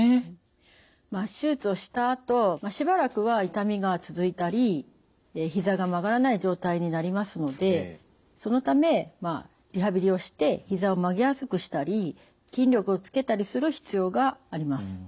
手術をしたあとしばらくは痛みが続いたりひざが曲がらない状態になりますのでそのためリハビリをしてひざを曲げやすくしたり筋力をつけたりする必要があります。